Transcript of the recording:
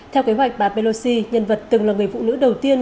theo kế hoạch bà pelosi nhân vật từng là người phụ nữ đầu tiên